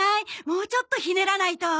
もうちょっと捻らないと。